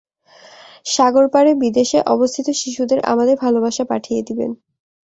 সাগরপারে বিদেশে অবস্থিত শিশুদের আমাদের ভালবাসা পাঠিয়ে দেবেন।